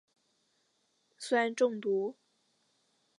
酸中毒。